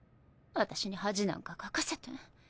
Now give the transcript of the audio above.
私に恥なんかかかせて。